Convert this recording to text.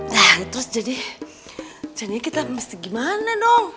terus terus jadi jadinya kita mesti gimana dong